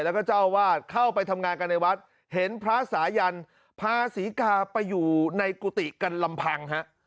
แล้วก็เจ้าวาดเข้าไปทำงานกันในวัดเห็นพระสายันพาศรีกาไปอยู่ในกุฏิกันลำพังฮะ